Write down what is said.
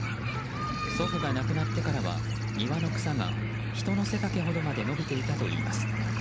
祖父が亡くなってからは庭の草が人の背丈ほどまで伸びていたといいます。